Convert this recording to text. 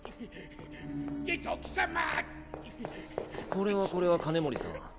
これはこれは金森さん。